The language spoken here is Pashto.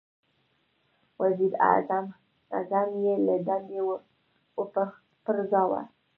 • وزیر اعظم یې له دندې وپرځاوه.